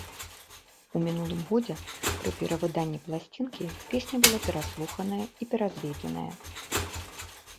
У мінулым годзе пры перавыданні пласцінкі песня была пераслуханая і перазведзеная.